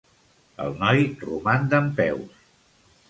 El noi roman dempeus.